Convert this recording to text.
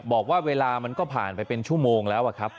บอกว่าเวลามันก็ผ่านไปเป็นชั่วโมงแล้วครับ